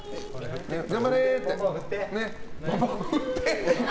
頑張れーって。